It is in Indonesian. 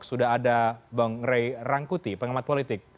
sudah ada bang ray rangkuti pengamat politik